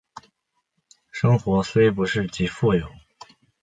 生活虽不是极富有